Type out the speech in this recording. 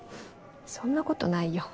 そんなことないよ。